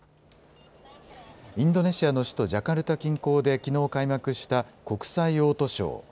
インドネシアの首都ジャカルタ近郊できのう開幕した国際オートショー。